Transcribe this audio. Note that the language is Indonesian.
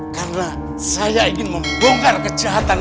karena saya ingin membongkar kejahatan